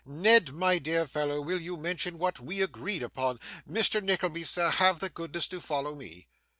Ned, my dear fellow, will you mention what we agreed upon? Mr. Nickleby, sir, have the goodness to follow me.